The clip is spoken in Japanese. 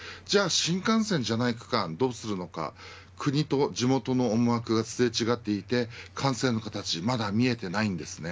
新幹線じゃない区間をどうするのかというと国と地元の思惑がすれ違っていて完成の形がまだ見えていません。